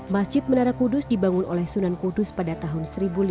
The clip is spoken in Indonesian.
masjid menara kudus dibangun oleh sunan kudus pada tahun seribu lima ratus